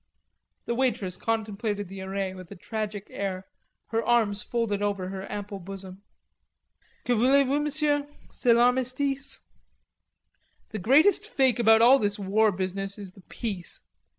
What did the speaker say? The waitress contemplated the array with a tragic air, her arms folded over her ample bosom. "Que voulez vous, Monsieur, c'est l'armistice." "The greatest fake about all this war business is the peace.